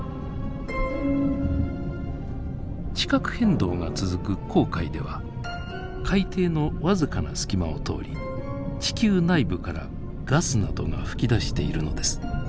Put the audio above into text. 地殻変動が続く紅海では海底の僅かな隙間を通り地球内部からガスなどが噴き出しているのです。